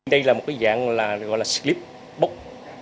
đây là một cái dạng gọi là slip box